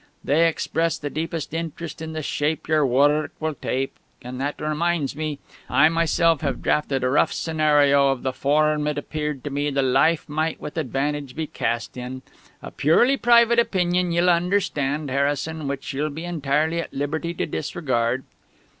They express the deepest interest in the shape your worrk will take; and that reminds me. I myself have drafted a rough scenario of the forrm it appeared to me the 'Life' might with advantage be cast in. A purely private opinion, ye'll understand, Harrison, which ye'll be entirely at liberty to disregard...."